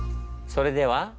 それでは。